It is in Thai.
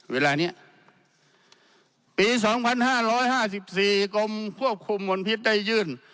เวลานี้ปีสองพันห้าร้อยห้าสิบสี่กรมควบคุมบรรพิษได้ยื่น